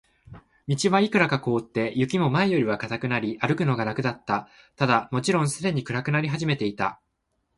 道はいくらか凍って、雪も前よりは固くなり、歩くのが楽だった。ただ、もちろんすでに暗くなり始めていた。